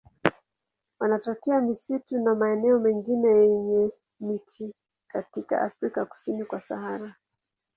Wanatokea misitu na maeneo mengine yenye miti katika Afrika kusini kwa Sahara.